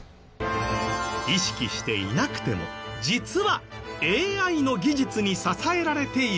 意識していなくても実はＡＩの技術に支えられているんです。